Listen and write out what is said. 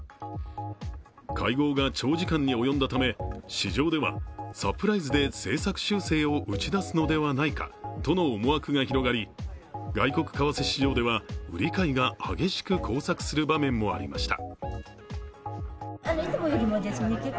会合が長時間に及んだため、市場ではサプライズで政策修正を打ち出すのではないかとの思惑が広がり外国為替市場では売り買いが激しく交錯する場面もありました。